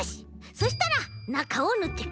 そしたらなかをぬってく。